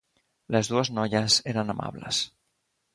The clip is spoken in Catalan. Les dues noies eren amables.